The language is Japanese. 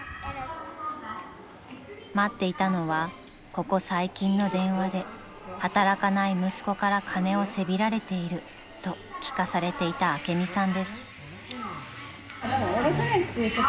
［待っていたのはここ最近の電話で「働かない息子から金をせびられている」と聞かされていた朱美さんです］